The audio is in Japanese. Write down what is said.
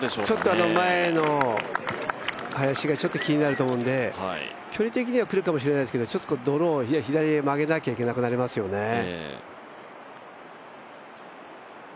ちょっと前の林が気になると思うので距離的には来るかもしれないですけど、ドロー、左へ曲げなきゃいけなくなりますよね。